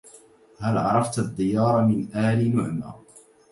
هل عرفت الديار من آل نعمى